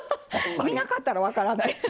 見なかったら分からない。